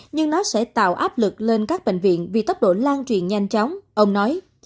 nhưng nó sẽ tạo áp lực lên các bệnh viện vì tốc độ lan truyền nhanh chóng ông nói